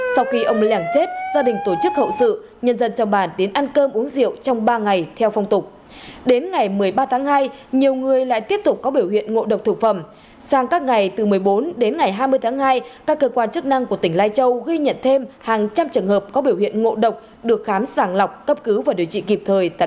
sau khi được cấp cứu điều trị kịp thời tại các cơ sở y tế cho ra viện